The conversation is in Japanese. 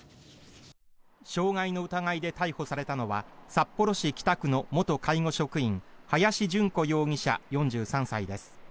傷害の疑いで逮捕されたのは札幌市北区の元介護職員林純子容疑者、４３歳です。